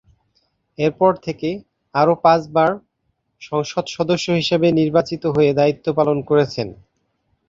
এরপর থেকে আরও পাঁচবার সংসদ সদস্য হিসেবে নির্বাচিত হয়ে দায়িত্ব পালন করছেন।